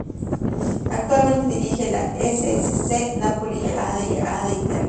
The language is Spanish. Actualmente dirige al S. S. C. Napoli de la Serie A de Italia.